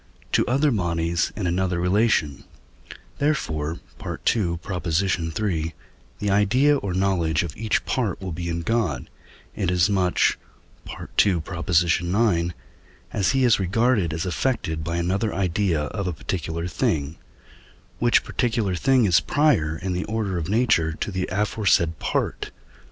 to other bodies in another relation; therefore (II. iii.) the idea or knowledge of each part will be in God, inasmuch (II. ix.) as he is regarded as affected by another idea of a particular thing, which particular thing is prior in the order of nature to the aforesaid part (II.